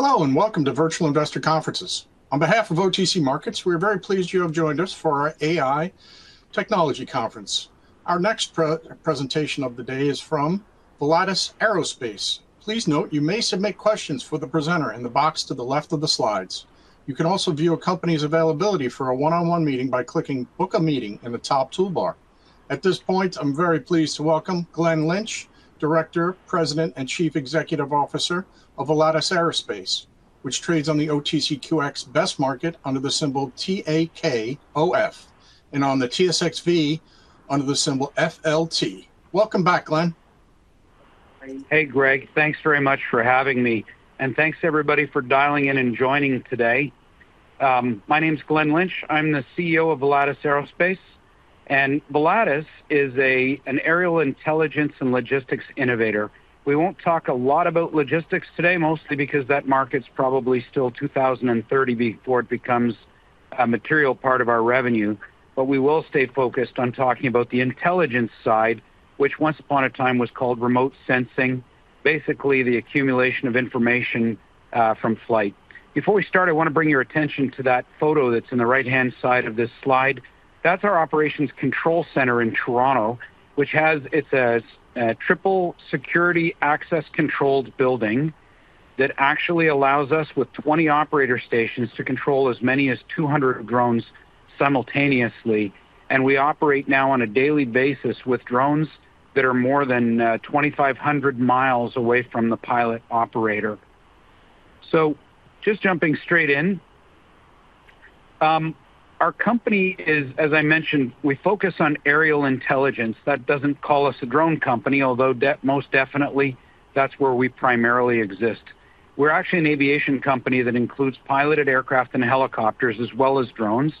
Hello and welcome to Virtual Investor Conferences. On behalf of OTC Markets, we are very pleased you have joined us for our AI technology conference. Our next presentation of the day is from Volatus Aerospace. Please note you may submit questions for the presenter in the box to the left of the slides. You can also view a company's availability for a one-on-one meeting by clicking "Book a Meeting" in the top toolbar. At this point, I'm very pleased to welcome Glen Lynch, Director, President, and Chief Executive Officer of Volatus Aerospace, which trades on the OTCQX Best Market under the symbol TAKOF and on the TSXV under the symbol FLT. Welcome back, Glenn. Hey, Greg. Thanks very much for having me, and thanks everybody for dialing in and joining today. My name is Glen Lynch. I'm the CEO of Volatus Aerospace, and Volatus is an aerial intelligence and logistics innovator. We won't talk a lot about logistics today, mostly because that market's probably still 2030 before it becomes a material part of our revenue, but we will stay focused on talking about the intelligence side, which once upon a time was called remote sensing, basically the accumulation of information from flight. Before we start, I want to bring your attention to that photo that's in the right-hand side of this slide. That's our operations control center in Toronto, which has its triple security access controlled building that actually allows us, with 20 operator stations, to control as many as 200 drones simultaneously, and we operate now on a daily basis with drones that are more than 2,500 mi away from the pilot operator. Just jumping straight in, our company is, as I mentioned, we focus on aerial intelligence. That doesn't call us a drone company, although most definitely that's where we primarily exist. We're actually an aviation company that includes piloted aircraft and helicopters as well as drones,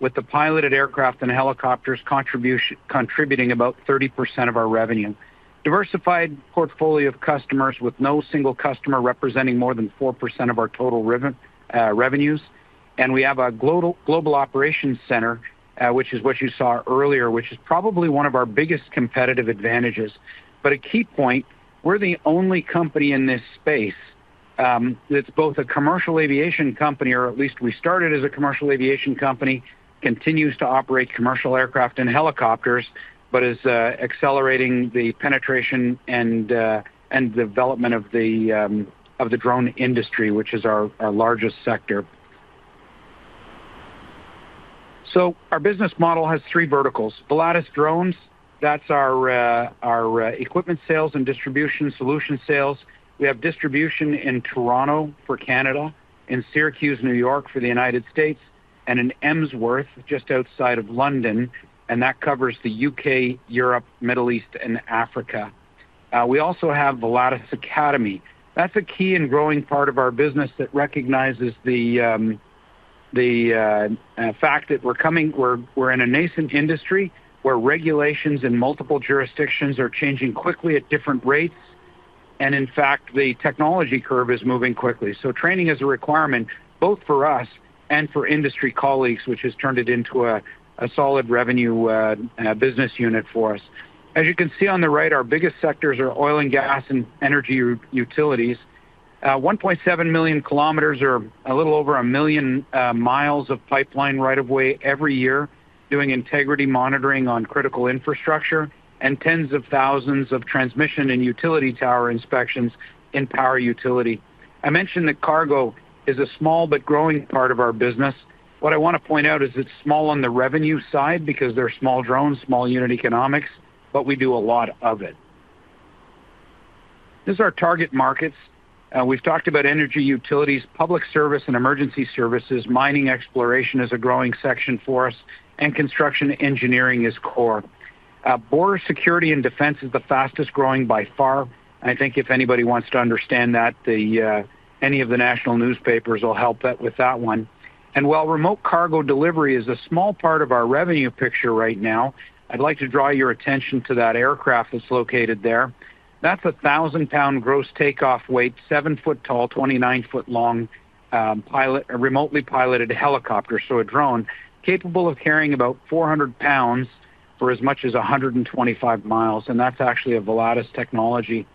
with the piloted aircraft and helicopters contributing about 30% of our revenue. Diversified portfolio of customers with no single customer representing more than 4% of our total revenues, and we have a global operations center, which is what you saw earlier, which is probably one of our biggest competitive advantages. A key point, we're the only company in this space that's both a commercial aviation company, or at least we started as a commercial aviation company, continues to operate commercial aircraft and helicopters, but is accelerating the penetration and development of the drone industry, which is our largest sector. Our business model has three verticals: Volatus Drones, that's our equipment sales and distribution solution sales. We have distribution in Toronto for Canada, in Syracuse, New York for the United States, and in Emsworth, just outside of London, and that covers the U.K., Europe, Middle East, and Africa. We also have Volatus Academy. That's a key and growing part of our business that recognizes the fact that we're coming, we're in a nascent industry where regulations in multiple jurisdictions are changing quickly at different rates, and in fact, the technology curve is moving quickly. Training is a requirement both for us and for industry colleagues, which has turned it into a solid revenue business unit for us. As you can see on the right, our biggest sectors are oil and gas and energy utilities. 1.7 million km or a little over a million mi of pipeline right of way every year, doing integrity monitoring on critical infrastructure and tens of thousands of transmission and utility tower inspections in power utility. I mentioned that cargo is a small but growing part of our business. What I want to point out is it's small on the revenue side because they're small drones, small unit economics, but we do a lot of it. These are our target markets. We've talked about energy utilities, public service, and emergency services. Mining exploration is a growing section for us, and construction engineering is core. Border security and defense is the fastest growing by far. I think if anybody wants to understand that, any of the national newspapers will help with that one. While remote cargo delivery is a small part of our revenue picture right now, I'd like to draw your attention to that aircraft that's located there. That's a 1,000 lbs gross takeoff weight, seven-foot tall, 29 ft long remotely piloted helicopter, so a drone, capable of carrying about 400 lbs for as much as 125 mi, and that's actually a Volatus Technology.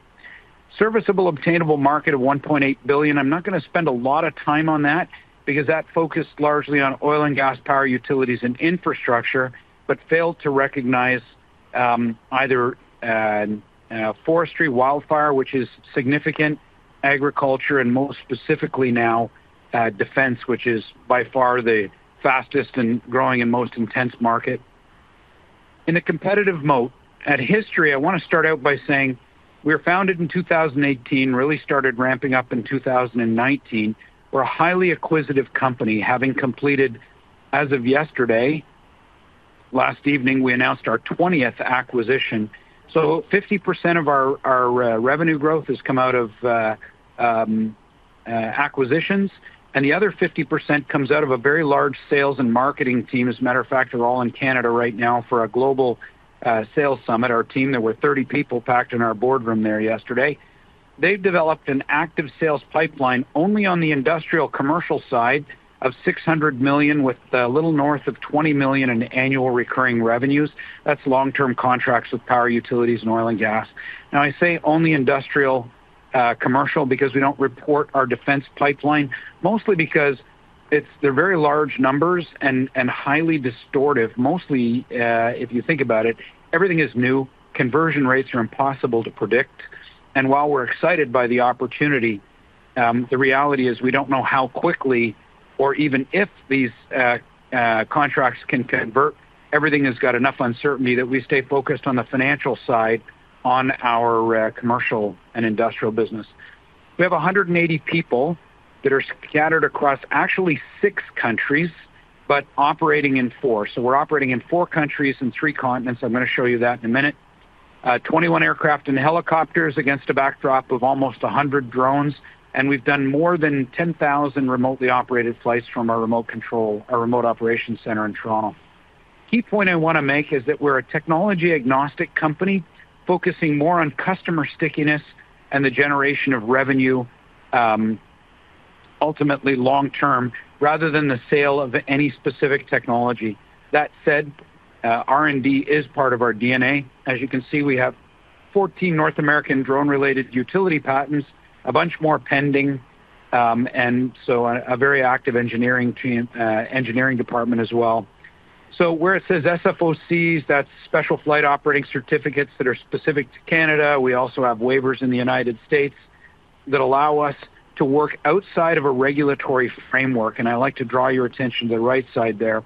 Serviceable obtainable market of $1.8 billion. I'm not going to spend a lot of time on that because that focused largely on oil and gas, power utilities, and infrastructure, but failed to recognize either forestry, wildfire, which is significant, agriculture, and most specifically now defense, which is by far the fastest and growing and most intense market. In a competitive mode, at history, I want to start out by saying we were founded in 2018, really started ramping up in 2019. We're a highly acquisitive company, having completed as of yesterday. Last evening, we announced our 20th acquisition. 50% of our revenue growth has come out of acquisitions, and the other 50% comes out of a very large sales and marketing team. As a matter of fact, they're all in Canada right now for a global sales summit. Our team, there were 30 people packed in our boardroom there yesterday. They've developed an active sales pipeline only on the industrial commercial side of $600 million with a little north of $20 million in annual recurring revenues. That's long-term contracts with power utilities and oil and gas. Now, I say only industrial commercial because we don't report our defense pipeline, mostly because they're very large numbers and highly distortive. Mostly, if you think about it, everything is new. Conversion rates are impossible to predict, and while we're excited by the opportunity, the reality is we don't know how quickly or even if these contracts can convert. Everything has got enough uncertainty that we stay focused on the financial side on our commercial and industrial business. We have 180 people that are scattered across actually six countries, but operating in four. We're operating in four countries and three continents. I'm going to show you that in a minute. 21 aircraft and helicopters against a backdrop of almost 100 drones, and we've done more than 10,000 remotely operated flights from our remote operations center in Toronto. Key point I want to make is that we're a technology-agnostic company focusing more on customer stickiness and the generation of revenue, ultimately long-term, rather than the sale of any specific technology. That said, R&D is part of our DNA. As you can see, we have 14 North American drone-related utility patents, a bunch more pending, and so a very active engineering department as well. Where it says SFOCs, that's Special Flight Operating Certificates that are specific to Canada. We also have waivers in the United States that allow us to work outside of a regulatory framework, and I'd like to draw your attention to the right side there.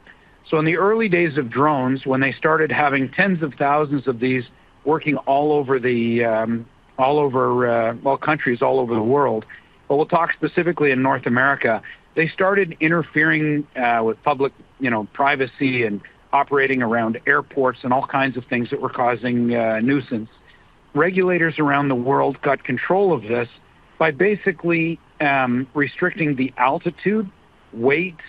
In the early days of drones, when they started having tens of thousands of these working all over the countries all over the world, but we'll talk specifically in North America, they started interfering with public privacy and operating around airports and all kinds of things that were causing nuisance. Regulators around the world got control of this by basically restricting the altitude, weight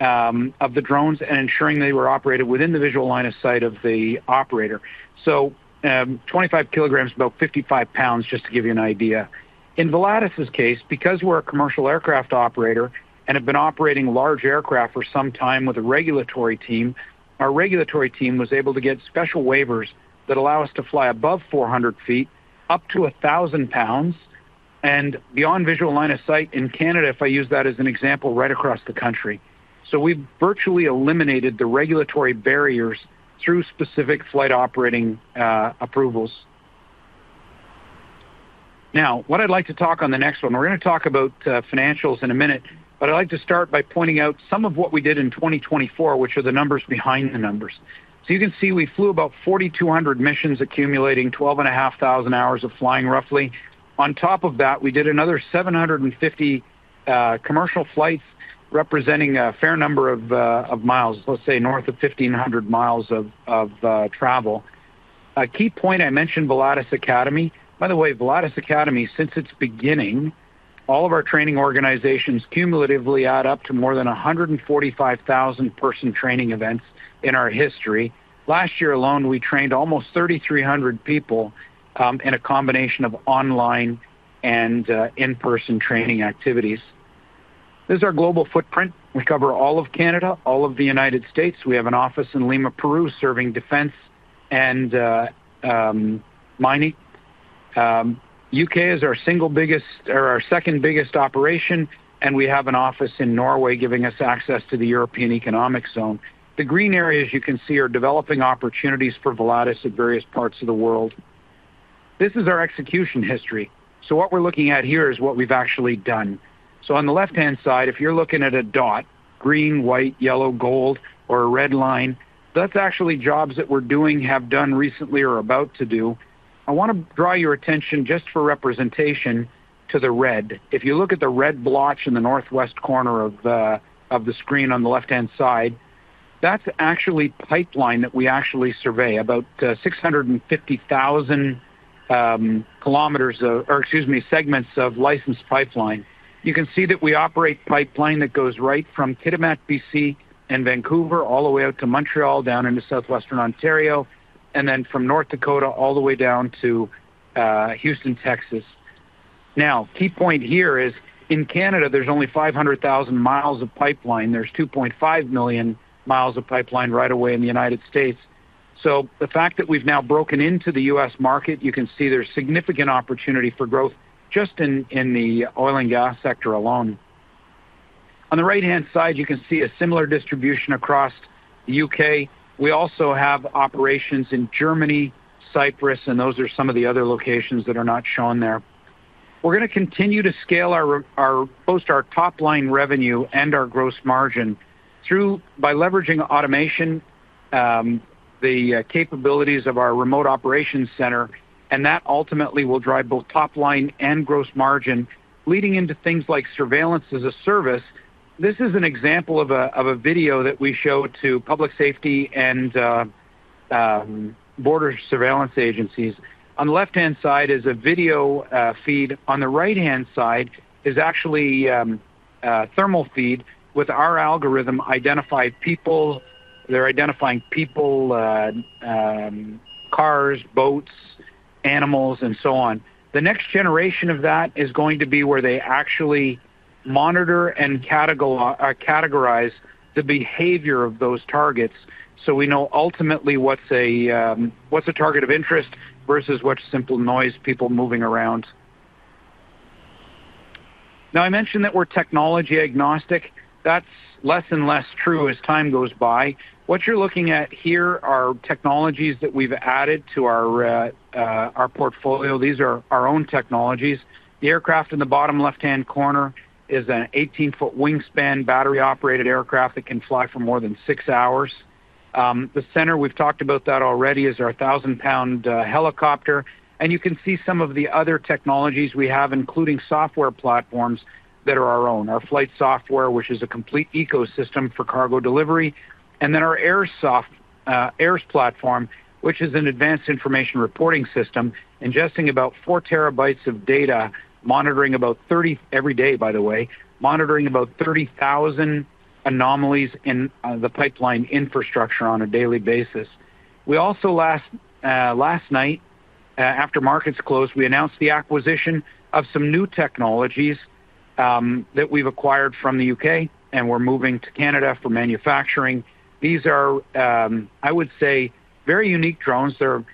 of the drones, and ensuring they were operated within the visual line of sight of the operator. 25 kg, about 55 lbs, just to give you an idea. In Volatus's case, because we're a commercial aircraft operator and have been operating large aircraft for some time with a regulatory team, our regulatory team was able to get special waivers that allow us to fly above 400 ft, up to 1,000 lbs, and beyond visual line of sight in Canada, if I use that as an example, right across the country. We've virtually eliminated the regulatory barriers through specific flight operating approvals. Now, what I'd like to talk on the next one, we're going to talk about financials in a minute, but I'd like to start by pointing out some of what we did in 2024, which are the numbers behind the numbers. You can see we flew about 4,200 missions, accumulating 12,500 hours of flying roughly. On top of that, we did another 750 commercial flights, representing a fair number of mi, let's say north of 1,500 mi of travel. A key point, I mentioned Volatus Academy. By the way, Volatus Academy, since its beginning, all of our training organizations cumulatively add up to more than 145,000 person training events in our history. Last year alone, we trained almost 3,300 people in a combination of online and in-person training activities. This is our global footprint. We cover all of Canada, all of the United States. We have an office in Lima, Peru, serving defense and mining. The U.K. is our single biggest or our second biggest operation, and we have an office in Norway giving us access to the European economic zone. The green areas you can see are developing opportunities for Volatus at various parts of the world. This is our execution history. What we're looking at here is what we've actually done. On the left-hand side, if you're looking at a dot, green, white, yellow, gold, or a red line, that's actually jobs that we're doing, have done recently, or about to do. I want to draw your attention just for representation to the red. If you look at the red blotch in the northwest corner of the screen on the left-hand side, that's actually pipeline that we actually survey, about 650,000 kilometers or, excuse me, segments of licensed pipeline. You can see that we operate pipeline that goes right from Kitimat, BC, and Vancouver all the way out to Montreal, down into southwestern Ontario, and then from North Dakota all the way down to Houston, Texas. A key point here is in Canada, there's only 500,000 mi of pipeline. There's 2.5 million mi of pipeline right away in the United States. The fact that we've now broken into the U.S. market, you can see there's significant opportunity for growth just in the oil and gas sector alone. On the right-hand side, you can see a similar distribution across the U.K. We also have operations in Germany, Cyprus, and those are some of the other locations that are not shown there. We're going to continue to scale both our top-line revenue and our gross margin by leveraging automation, the capabilities of our remote operations center, and that ultimately will drive both top-line and gross margin, leading into things like surveillance as a service. This is an example of a video that we show to public safety and border surveillance agencies. On the left-hand side is a video feed. On the right-hand side is actually a thermal feed with our algorithm identifying people. They're identifying people, cars, boats, animals, and so on. The next generation of that is going to be where they actually monitor and categorize the behavior of those targets, so we know ultimately what's a target of interest versus what's simple noise, people moving around. Now, I mentioned that we're technology-agnostic. That's less and less true as time goes by. What you're looking at here are technologies that we've added to our portfolio. These are our own technologies. The aircraft in the bottom left-hand corner is an 18 ft wingspan, battery-operated aircraft that can fly for more than six hours. The center, we've talked about that already, is our thousand-pound helicopter, and you can see some of the other technologies we have, including software platforms that are our own. Our flight software, which is a complete ecosystem for cargo delivery, and then our AIRS platform, which is an advanced information reporting system, ingesting about four terabytes of data, monitoring about 30,000 anomalies in the pipeline infrastructure on a daily basis. We also, last night, after markets closed, announced the acquisition of some new technologies that we've acquired from the U.K., and we're moving to Canada for manufacturing. These are, I would say, very unique drones. They're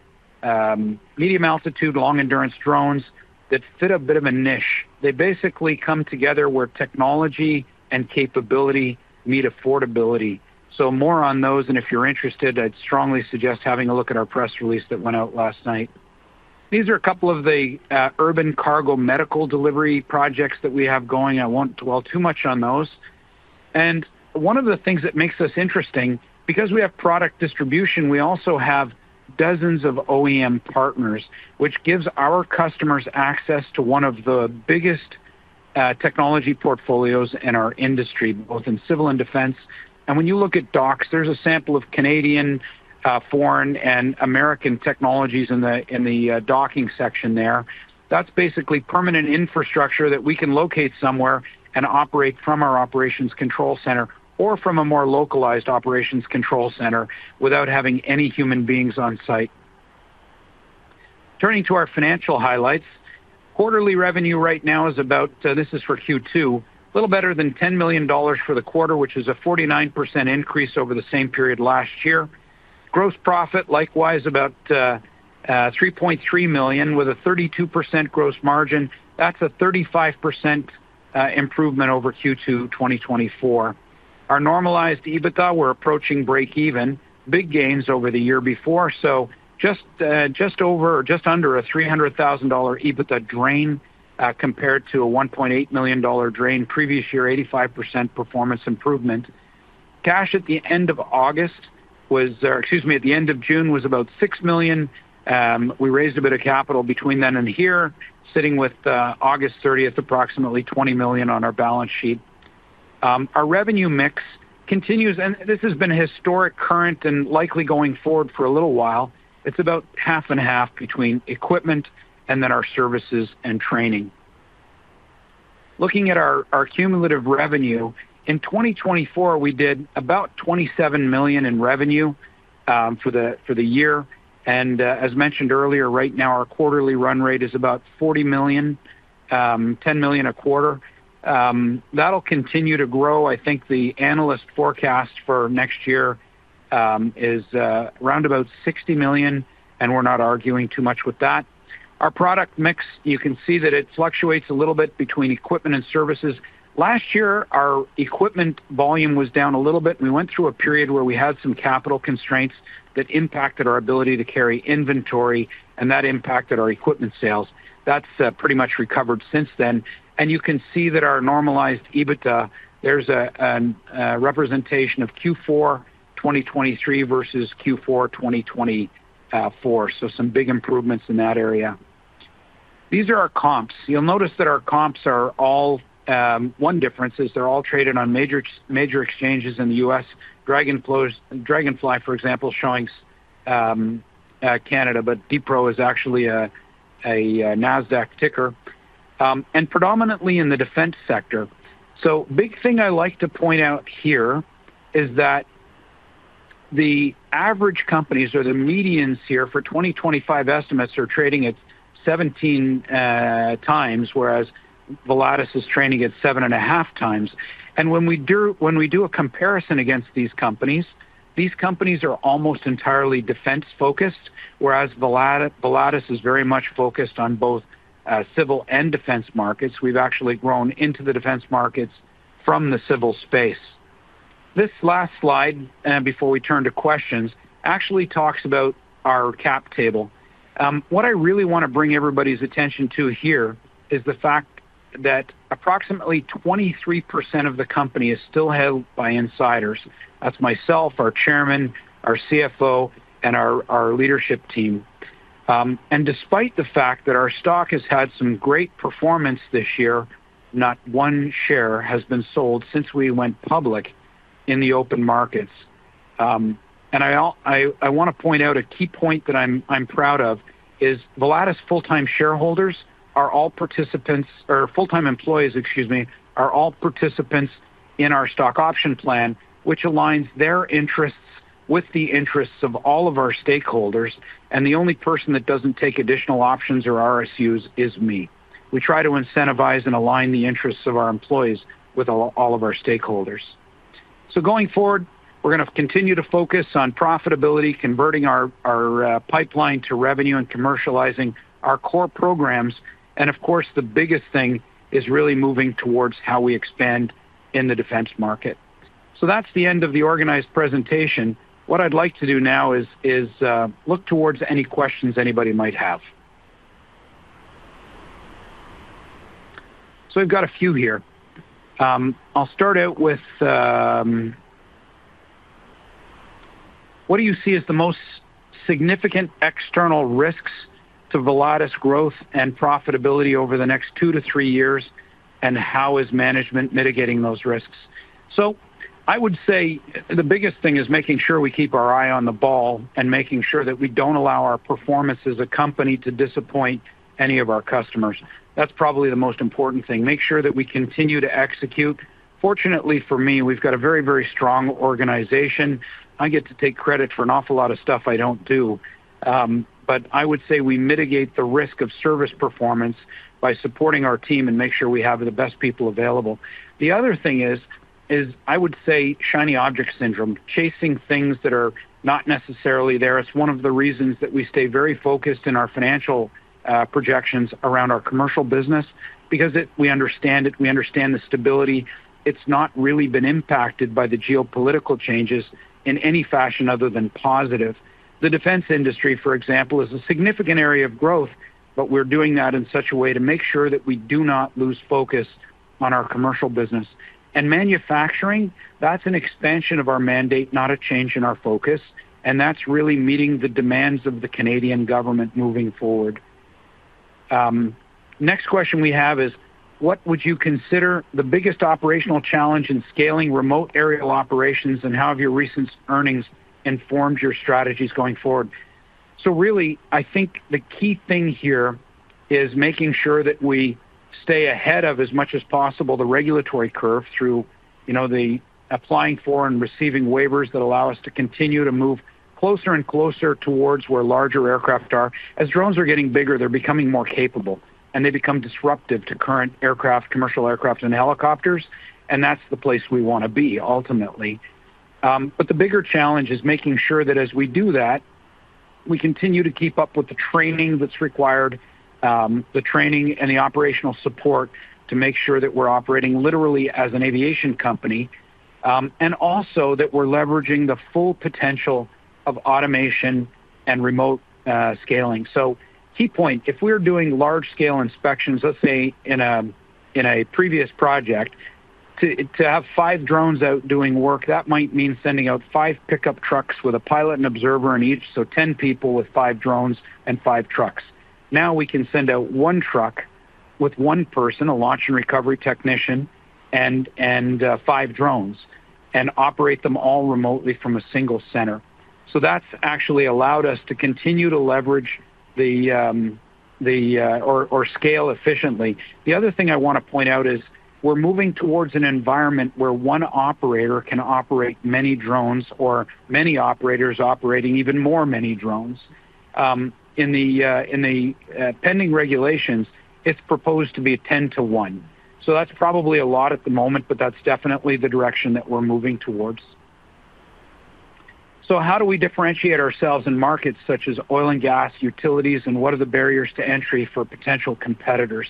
medium-altitude, long-endurance drones that fit a bit of a niche. They basically come together where technology and capability meet affordability. More on those, and if you're interested, I'd strongly suggest having a look at our press release that went out last night. These are a couple of the urban cargo medical delivery projects that we have going. I won't dwell too much on those, and one of the things that makes us interesting, because we have product distribution, we also have dozens of OEM partners, which gives our customers access to one of the biggest technology portfolios in our industry, both in civil and defense. When you look at docks, there's a sample of Canadian, foreign, and American technologies in the docking section there. That's basically permanent infrastructure that we can locate somewhere and operate from our operations control center or from a more localized operations control center without having any human beings on site. Turning to our financial highlights, quarterly revenue right now is about, this is for Q2, a little better than $10 million for the quarter, which is a 49% increase over the same period last year. Gross profit, likewise, about $3.3 million, with a 32% gross margin. That's a 35% improvement over Q2 2024. Our normalized EBITDA, we're approaching break-even, big gains over the year before, so just over or just under a $300,000 EBITDA drain compared to a $1.8 million drain previous year, 85% performance improvement. Cash at the end of June was about $6 million. We raised a bit of capital between then and here, sitting with August 30, approximately $20 million on our balance sheet. Our revenue mix continues, and this has been historic, current, and likely going forward for a little while. It's about half and half between equipment and then our services and training. Looking at our cumulative revenue, in 2024, we did about $27 million in revenue for the year, and as mentioned earlier, right now our quarterly run rate is about $40 million, $10 million a quarter. That'll continue to grow. I think the analyst forecast for next year is around about $60 million, and we're not arguing too much with that. Our product mix, you can see that it fluctuates a little bit between equipment and services. Last year, our equipment volume was down a little bit, and we went through a period where we had some capital constraints that impacted our ability to carry inventory, and that impacted our equipment sales. That's pretty much recovered since then, and you can see that our normalized EBITDA, there's a representation of Q4 2023 versus Q4 2024, so some big improvements in that area. These are our comps. You'll notice that our comps are all, one difference is they're all traded on major exchanges in the U.S. Dragonfly, for example, is showing Canada, but DPRO is actually a NASDAQ ticker, and predominantly in the defense sector. The big thing I'd like to point out here is that the average companies or the medians here for 2025 estimates are trading at 17x, whereas Volatus is trading at seven and a half times. When we do a comparison against these companies, these companies are almost entirely defense-focused, whereas Volatus is very much focused on both civil and defense markets. We've actually grown into the defense markets from the civil space. This last slide, before we turn to questions, actually talks about our cap table. What I really want to bring everybody's attention to here is the fact that approximately 23% of the company is still held by insiders. That's myself, our Chairman, our CFO, and our leadership team. Despite the fact that our stock has had some great performance this year, not one share has been sold since we went public in the open markets. I want to point out a key point that I'm proud of: Volatus full-time employees are all participants in our stock option plan, which aligns their interests with the interests of all of our stakeholders, and the only person that doesn't take additional options or RSUs is me. We try to incentivize and align the interests of our employees with all of our stakeholders. Going forward, we're going to continue to focus on profitability, converting our pipeline to revenue, and commercializing our core programs. The biggest thing is really moving towards how we expand in the defense market. That's the end of the organized presentation. What I'd like to do now is look towards any questions anybody might have. We've got a few here. I'll start out with: What do you see as the most significant external risks to Volatus growth and profitability over the next two to three years, and how is management mitigating those risks? I would say the biggest thing is making sure we keep our eye on the ball and making sure that we don't allow our performance as a company to disappoint any of our customers. That's probably the most important thing. Make sure that we continue to execute. Fortunately for me, we've got a very, very strong organization. I get to take credit for an awful lot of stuff I don't do, but I would say we mitigate the risk of service performance by supporting our team and making sure we have the best people available. The other thing is, I would say, shiny object syndrome, chasing things that are not necessarily there. It is one of the reasons that we stay very focused in our financial projections around our commercial business, because we understand it, we understand the stability. It's not really been impacted by the geopolitical changes in any fashion other than positive. The defense industry, for example, is a significant area of growth, but we're doing that in such a way to make sure that we do not lose focus on our commercial business. Manufacturing, that's an expansion of our mandate, not a change in our focus, and that's really meeting the demands of the Canadian government moving forward. Next question we have is, what would you consider the biggest operational challenge in scaling remote aerial operations, and how have your recent earnings informed your strategies going forward? I think the key thing here is making sure that we stay ahead of, as much as possible, the regulatory curve through the applying for and receiving waivers that allow us to continue to move closer and closer towards where larger aircraft are. As drones are getting bigger, they're becoming more capable, and they become disruptive to current aircraft, commercial aircraft, and helicopters, and that's the place we want to be ultimately. The bigger challenge is making sure that as we do that, we continue to keep up with the training that's required, the training and the operational support to make sure that we're operating literally as an aviation company, and also that we're leveraging the full potential of automation and remote scaling. Key point, if we're doing large-scale inspections, let's say in a previous project, to have five drones out doing work, that might mean sending out five pickup trucks with a pilot and observer in each, so ten people with five drones and five trucks. Now we can send out one truck with one person, a launch and recovery technician, and five drones, and operate them all remotely from a single center. That's actually allowed us to continue to leverage or scale efficiently. The other thing I want to point out is we're moving towards an environment where one operator can operate many drones or many operators operating even more many drones. In the pending regulations, it's proposed to be ten to one. That's probably a lot at the moment, but that's definitely the direction that we're moving towards. How do we differentiate ourselves in markets such as oil and gas, utilities, and what are the barriers to entry for potential competitors?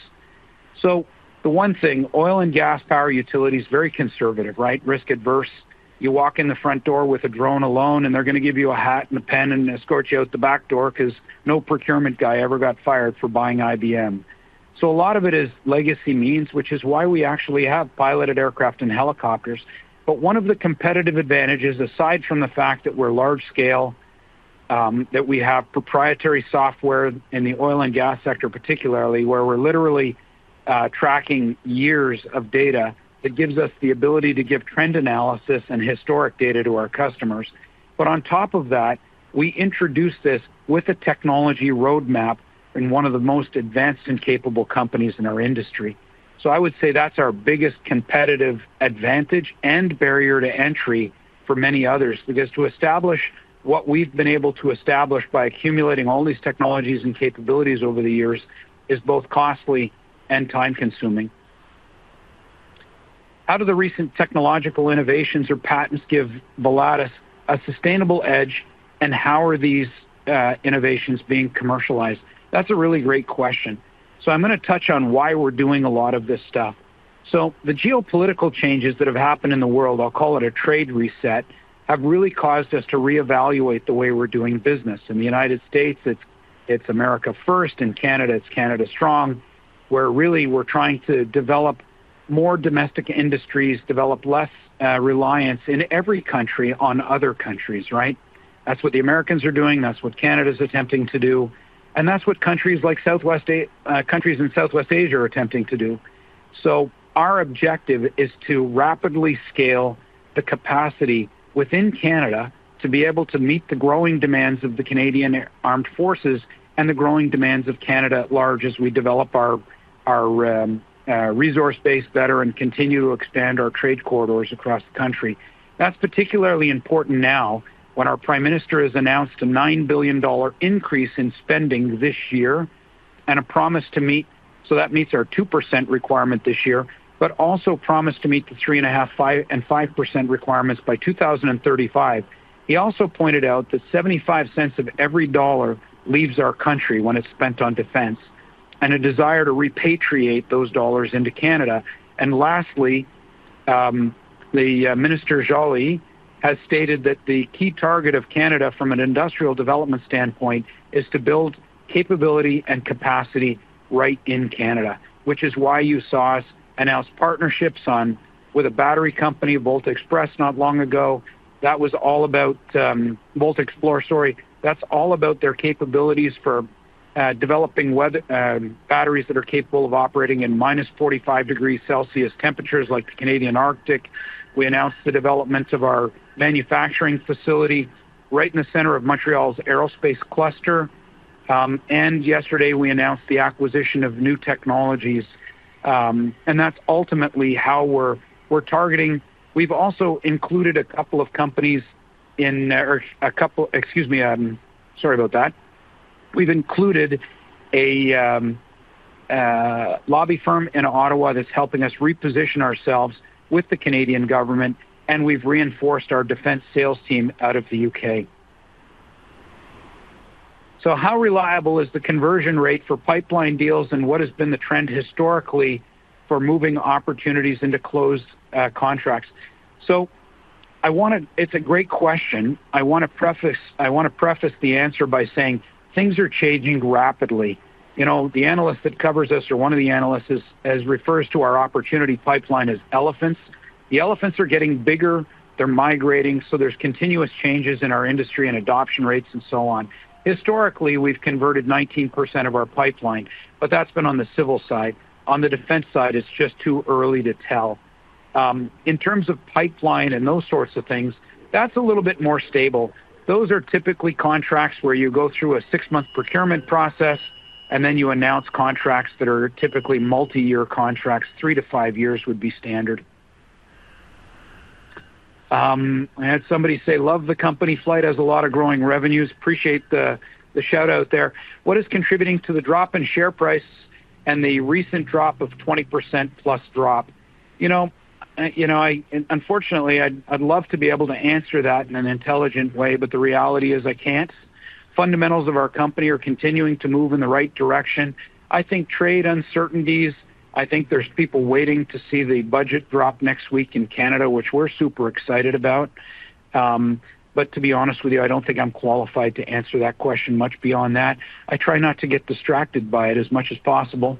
The one thing, oil and gas power utilities, very conservative, right? Risk averse. You walk in the front door with a drone alone, and they're going to give you a hat and a pen and escort you out the back door because no procurement guy ever got fired for buying IBM. A lot of it is legacy means, which is why we actually have piloted aircraft and helicopters. One of the competitive advantages, aside from the fact that we're large scale, is that we have proprietary software in the oil and gas sector particularly, where we're literally tracking years of data. It gives us the ability to give trend analysis and historic data to our customers. On top of that, we introduce this with a technology roadmap in one of the most advanced and capable companies in our industry. I would say that's our biggest competitive advantage and barrier to entry for many others, because to establish what we've been able to establish by accumulating all these technologies and capabilities over the years is both costly and time-consuming. How do the recent technological innovations or patents give Volatus Aerospace Inc. a sustainable edge, and how are these innovations being commercialized? That's a really great question. I'm going to touch on why we're doing a lot of this stuff. The geopolitical changes that have happened in the world, I'll call it a trade reset, have really caused us to re-evaluate the way we're doing business. In the United States, it's America first. In Canada, it's Canada strong, where really we're trying to develop more domestic industries, develop less reliance in every country on other countries, right? That's what the Americans are doing. That's what Canada's attempting to do, and that's what countries like Southwest Asia are attempting to do. Our objective is to rapidly scale the capacity within Canada to be able to meet the growing demands of the Canadian armed forces and the growing demands of Canada at large as we develop our resource base better and continue to expand our trade corridors across the country. That's particularly important now when our Prime Minister has announced a $9 billion increase in spending this year and a promise to meet, so that meets our 2% requirement this year, but also promise to meet the 3.5% and 5% requirements by 2035. He also pointed out that $0.75 of every dollar leaves our country when it's spent on defense, and a desire to repatriate those dollars into Canada. Lastly, Minister Joly has stated that the key target of Canada from an industrial development standpoint is to build capability and capacity right in Canada, which is why you saw us announce partnerships with a battery company, Volt Explore, not long ago. That's all about their capabilities for developing batteries that are capable of operating in minus 45 degrees Celsius temperatures like the Canadian Arctic. We announced the development of our manufacturing facility right in the center of Montreal's aerospace cluster, and yesterday we announced the acquisition of new technologies, and that's ultimately how we're targeting. We've also included a lobby firm in Ottawa that's helping us reposition ourselves with the Canadian government, and we've reinforced our defense sales team out of the U.K.. How reliable is the conversion rate for pipeline deals, and what has been the trend historically for moving opportunities into closed contracts? It's a great question. I want to preface the answer by saying things are changing rapidly. The analyst that covers us, or one of the analysts, refers to our opportunity pipeline as elephants. The elephants are getting bigger. They're migrating, so there's continuous changes in our industry and adoption rates and so on. Historically, we've converted 19% of our pipeline, but that's been on the civil side. On the defense side, it's just too early to tell. In terms of pipeline and those sorts of things, that's a little bit more stable. Those are typically contracts where you go through a six-month procurement process, and then you announce contracts that are typically multi-year contracts. Three to five years would be standard. I had somebody say, "Love the company. Flight has a lot of growing revenues." Appreciate the shout-out there. What is contributing to the drop in share price and the recent drop of 20%+? Unfortunately, I'd love to be able to answer that in an intelligent way, but the reality is I can't. Fundamentals of our company are continuing to move in the right direction. I think trade uncertainties, I think there's people waiting to see the budget drop next week in Canada, which we're super excited about, but to be honest with you, I don't think I'm qualified to answer that question much beyond that. I try not to get distracted by it as much as possible.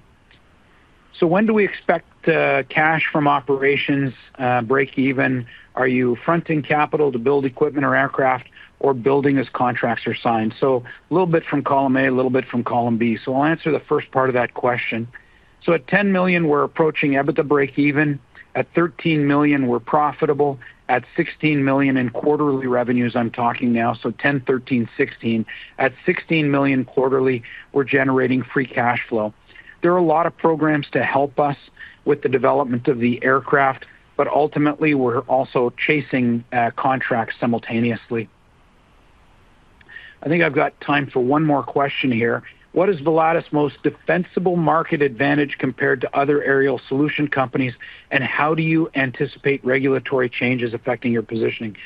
When do we expect cash from operations break-even? Are you fronting capital to build equipment or aircraft or building as contracts are signed? A little bit from column A, a little bit from column B. I'll answer the first part of that question. At $10 million, we're approaching EBITDA break-even. At $13 million, we're profitable. At $16 million in quarterly revenues, I'm talking now, so $10 million, $13 million, $16 million. At $16 million quarterly, we're generating Free Cash Flow. There are a lot of programs to help us with the development of the aircraft, but ultimately, we're also chasing contracts simultaneously. I think I've got time for one more question here. What is Volatus Aerospace's most defensible market advantage compared to other aerial intelligence solutions companies, and how do you anticipate regulatory changes affecting your positioning?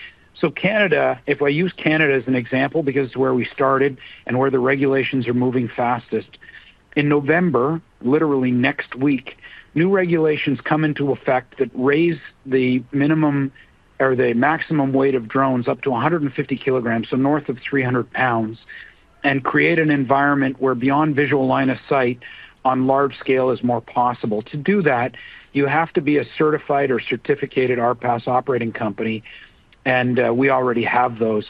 Canada, if I use Canada as an example, because it's where we started and where the regulations are moving fastest, in November, literally next week, new regulations come into effect that raise the minimum or the maximum weight of drones up to 150 kg, so north of 300 lbs, and create an environment where beyond visual line of sight on large scale is more possible. To do that, you have to be a certified or certificated ARPAS operating company, and we already have those.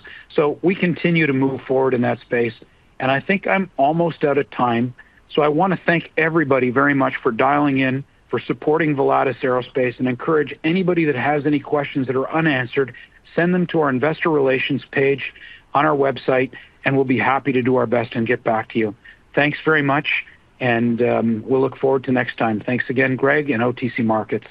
We continue to move forward in that space, and I think I'm almost out of time, so I want to thank everybody very much for dialing in, for supporting Volatus Aerospace, and encourage anybody that has any questions that are unanswered, send them to our investor relations page on our website, and we'll be happy to do our best and get back to you. Thanks very much, and we'll look forward to next time. Thanks again, Greg, and OTC Markets.